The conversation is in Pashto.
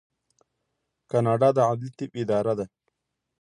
کاناډا د عدلي طب اداره لري.